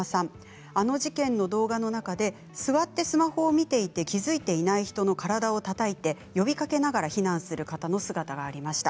あの事件の動画の中で座ってスマホを見ていて気付いていない人の体をたたいて呼びかけながら避難する人の姿がありました。